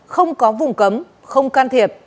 không có vùng cấm không can thiệp